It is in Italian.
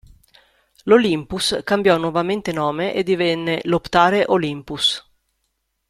L'Olympus cambiò nuovamente nome e divenne l'Optare Olympus.